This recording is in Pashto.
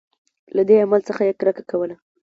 له دې عمل څخه یې کرکه کوله.